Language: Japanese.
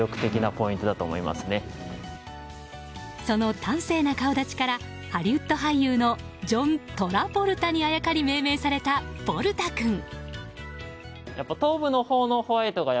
その端正な顔立ちからハリウッド俳優のジョン・トラボルタにあやかり命名されたボルタ君。